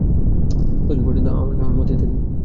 ততদিন পর্যন্ত নাহয় আমার মতই থাকি।